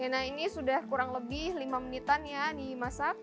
nah ini sudah kurang lebih lima menitan ya dimasak